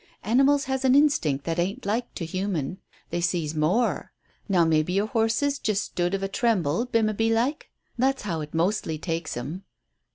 Animals has an instinct that ain't like to human. They sees more. Now maybe your horses just stood of a tremble, bimeby like? That's how it mostly takes 'em."